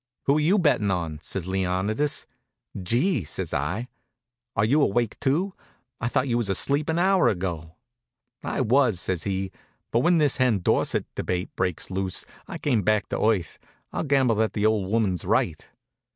"Who're you bettin' on?" says Leonidas. "Gee!" says I. "Are you awake, too? I thought you was asleep an hour ago." "I was," says he, "but when this Hen Dorsett debate breaks loose I came back to earth. I'll gamble that the old woman's right."